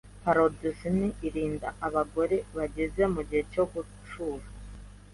Phloridzin irinda abagore bageze mu gihe cyo gucura